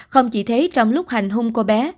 không chỉ thế trong lúc hành hung cô bé